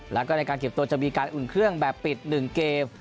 แล้วก็ในการเก็บตัวจะมีการอุ่นเครื่องแบบปิด๑เกม